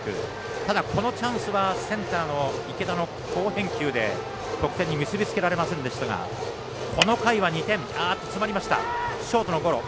ただ、このチャンスはセンターの池田の好返球で得点に結び付けられませんでしたがこの回は、２点。